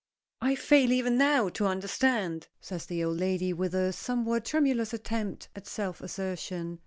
"I fail even now to understand," says the old lady, with a somewhat tremulous attempt at self assertion.